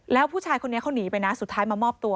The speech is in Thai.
แล้วผู้ชายคนนี้เขาหนีไปนะสุดท้ายมามอบตัว